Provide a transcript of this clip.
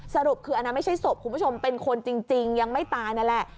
สรุปคืออันนั้นไม่ใช่ศพคุณผู้ชมเป็นคนจริงยังไม่ตายนั่นแหละ